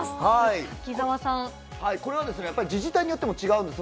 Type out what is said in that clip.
これは自治体によっても違うんです。